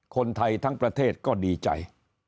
คนไทยทั้งประเทศก็ดีใจ